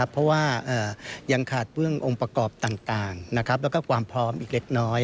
เพราะว่ายังขาดเบื้ององค์ประกอบต่างแล้วก็ความพร้อมอีกเล็กน้อย